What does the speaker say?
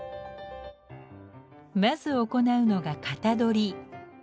まず行うのが型取り。